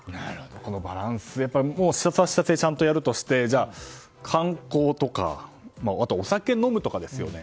このバランス視察は視察でちゃんとやるとしてじゃあ観光とかあとは、お酒を飲むとかですよね。